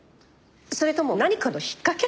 それとも何かの引っ掛け？